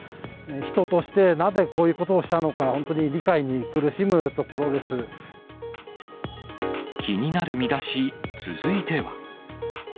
人としてなぜこういうことをしたのか、本当に理解に苦しむところ気になるミダシ、続いては。